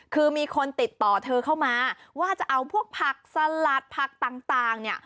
คือมีคนติดต่อเธอเข้ามาว่าจะเอาพวกผักสลัดผักต่างเนี่ย